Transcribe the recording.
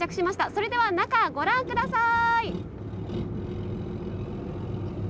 それでは中、ご覧ください。